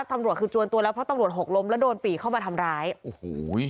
ตำรวจคือจวนตัวแล้วเพราะตำรวจหกล้มแล้วโดนปี่เข้ามาทำร้ายโอ้โห